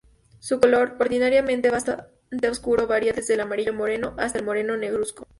Su color, ordinariamente bastante oscuro varía desde el amarillo-moreno hasta el moreno negruzco.